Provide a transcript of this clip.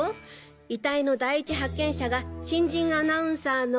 遺体の第一発見者が新人アナウンサーの。